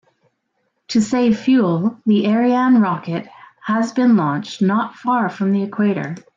To save fuel, the Ariane rocket has been launched not far from the equator.